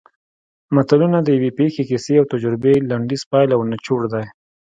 متلونه د یوې پېښې کیسې او تجربې لنډیز پایله او نچوړ دی